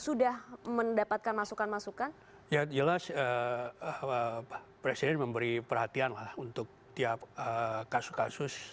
sudah mendapatkan masukan masukan ya jelas presiden memberi perhatian lah untuk tiap kasus kasus